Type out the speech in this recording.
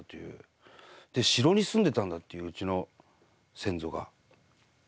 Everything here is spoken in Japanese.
で城に住んでたんだといううちの先祖が。